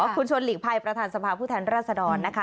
คุณชวนหลีกภัยประธานสภาพผู้แทนรัศดรนะคะ